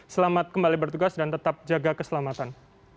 selamat kembali bertugas dan tetap jaga keselamatan